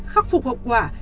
khắc phục hậu quả